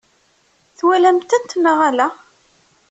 Twalamt-tent neɣ ala?